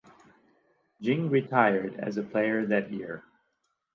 Jing retired as a player that year.